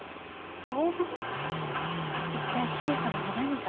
一体姫様に何が？